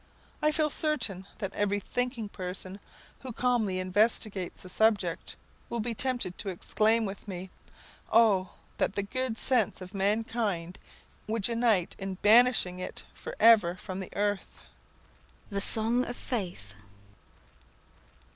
I feel certain that every thinking person, who calmly investigates the subject, will be tempted to exclaim with me, "Oh, that the good sense of mankind would unite in banishing it for ever from the earth!" The Song Of Faith.